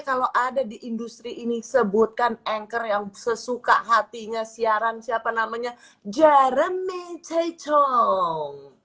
kalau ada di industri ini sebutkan anchor yang sesuka hatinya siaran siapa namanya jeremy take trom